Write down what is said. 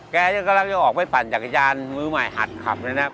แกก็กำลังจะออกไปปั่นจักรยานมื้อใหม่หัดขับนะครับ